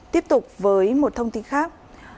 tiếp tục với một thông tin khác